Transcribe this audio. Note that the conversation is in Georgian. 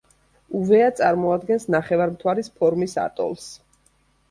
უვეა წარმოადგენს ნახევარმთვარის ფორმის ატოლს.